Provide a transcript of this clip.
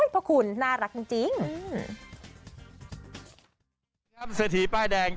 พระคุณน่ารักจริง